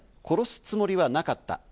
殺すつもりはなかった。